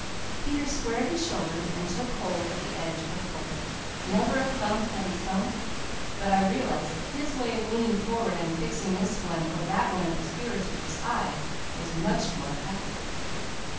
Peter squared his shoulders and took hold of the edge of the pulpit. Never a thump had he thumped, but I realized that his way of leaning forward and fixing this one or that one of his hearers with his eye was much more effective.